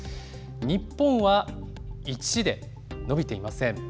日本は１で伸びていません。